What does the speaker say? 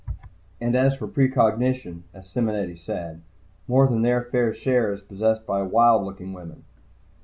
And as for precognition, as Simonetti said, more than their fair share is possessed by wild looking women.